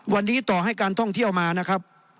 วันนี้ต่อให้การท่องเที่ยวมานะครับ